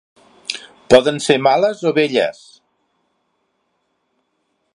Poden ser males o belles.